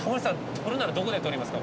撮るならどこで撮りますか？